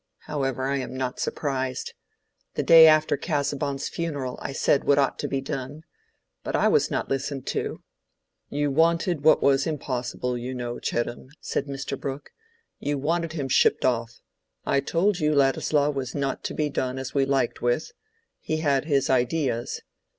However, I am not surprised. The day after Casaubon's funeral I said what ought to be done. But I was not listened to." "You wanted what was impossible, you know, Chettam," said Mr. Brooke. "You wanted him shipped off. I told you Ladislaw was not to be done as we liked with: he had his ideas.